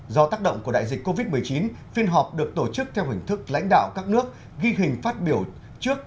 do tác động của đại dịch covid một mươi chín phiên họp được tổ chức theo hình thức lãnh đạo các nước ghi hình phát biểu trước